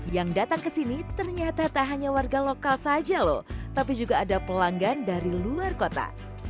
yang datang ke sini ternyata tak hanya warga lokal saja loh tapi juga ada pelanggan dari luar kota